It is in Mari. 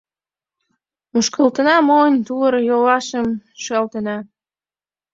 Мушкылтына монь, тувыр-йолашым шӱалтена.